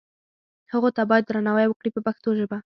هغو ته باید درناوی وکړي په پښتو ژبه.